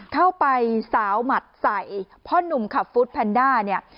เข้าไปสาวหมัดใส่พ่อนุ่มขับฟุตแพนด้าเนี่ย